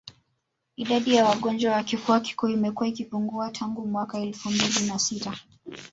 Idadi ya wagonjwa wa kifua kikuu imekuwa ikipungua tangu mwaka elfu mbili na sita